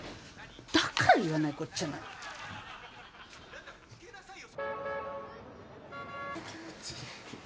だから言わないこっちゃない。